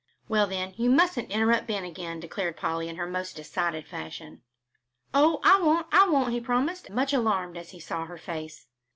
"Well, then, you mustn't interrupt Ben again," declared Polly, in her most decided fashion. "Oh, I won't, I won't!" he promised, much alarmed as he saw her face.